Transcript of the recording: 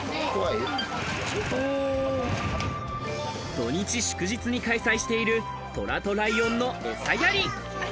土日祝日に開催しているトラとライオンの餌やり。